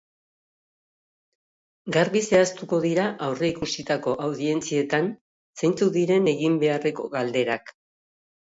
Garbi zehaztuko dira aurreikusitako audientzietan zeintzuk diren egin beharreko galderak.